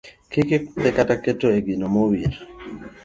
Kik ikudhe kata kete e gino ma owir.